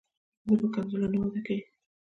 ژبه په ښکنځلو نه وده کوي.